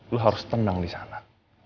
lo harus tenang di sana